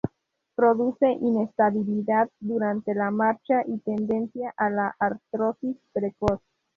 Produce inestabilidad durante la marcha y tendencia a la artrosis precoz.